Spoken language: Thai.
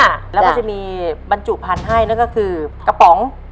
แล้วก็จะมีบรรจุพันธุ์ให้นั่นก็คือกระป๋อง